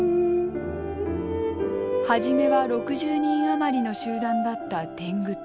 初めは６０人余りの集団だった天狗党。